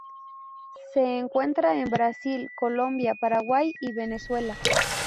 Se encuentra en Brasil, Colombia, Paraguay y Venezuela.